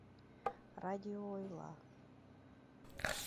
Радио ойла: